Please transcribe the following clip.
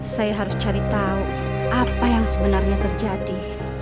saya harus cari tahu apa yang sebenarnya terjadi